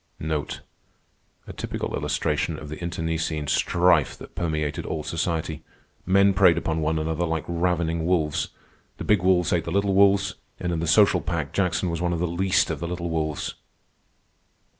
A typical illustration of the internecine strife that permeated all society. Men preyed upon one another like ravening wolves. The big wolves ate the little wolves, and in the social pack Jackson was one of the least of the little wolves.